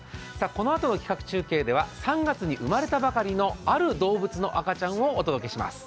このあとの企画中継では３月に生まれたばかりのある動物の赤ちゃんを紹介します。